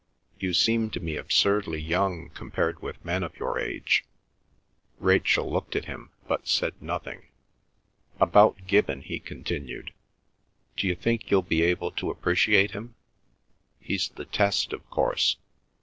You seem to me absurdly young compared with men of your age." Rachel looked at him but said nothing. "About Gibbon," he continued. "D'you think you'll be able to appreciate him? He's the test, of course.